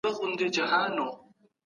سياسي غورځنګونو تر پخوا ډېر پرمختګ وکړ.